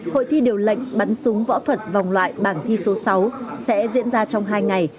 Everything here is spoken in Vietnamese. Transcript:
hội thi điều lệnh bắn súng võ thuật vòng loại bảng thi số sáu sẽ diễn ra trong hai ngày